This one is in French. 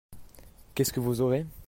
Qu'est-ce qu evous aurez ?